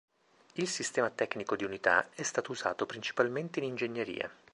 Il sistema tecnico di unità è stato usato principalmente in ingegneria.